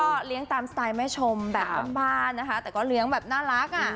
ก็เลี้ยงตามสไตล์แม่ชมแบบบ้านนะคะแต่ก็เลี้ยงแบบน่ารักอ่ะ